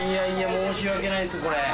申し訳ないですこれ。